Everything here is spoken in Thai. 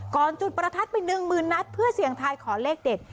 ก่อนจุดประทัดเป็นหนึ่งมือนัฐเพื่อเสียงทายขอเลขเด็ด